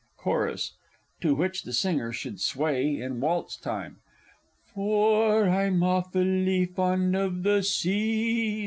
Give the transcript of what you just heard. Chorus (to which the singer should sway in waltz time). For I'm offully fond of the Sea!